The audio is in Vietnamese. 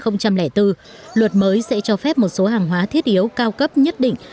năm hai nghìn bốn luật mới sẽ cho phép một số hàng hóa thiết yếu cao cấp nhất định